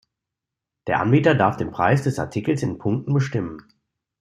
Der Anbieter darf den Preis des Artikels in Punkten bestimmen.